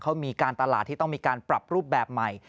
เขามีการตลาดที่ต้องมีการปรับรูปแบบใหม่